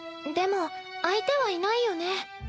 でも相手はいないよね。